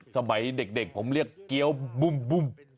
สมัยเด็กผมเรียกเกี้ยวบุ้ม